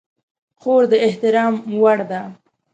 خور د احترام وړ ده.